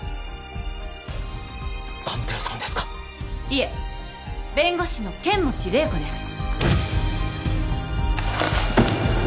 いえ弁護士の剣持麗子です。